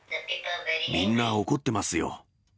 みんな怒ってますよ。